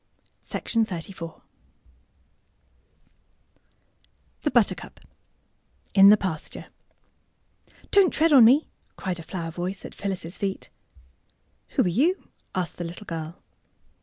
123 THE BUTTERCUP THE BUTTERCUP IN THE PASTURE ^^ Don't tread on me," cried a flower voice at Phyllis 's feet. '' Who are you? " asked the little girl.